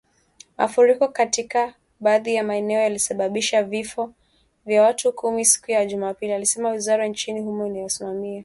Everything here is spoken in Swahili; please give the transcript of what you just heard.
"Mafuriko katika baadhi ya maeneo yalisababisha vifo vya watu kumi siku ya Jumapili", ilisema wizara nchini humo inayosimamia misaada na maandalizi ya maafa.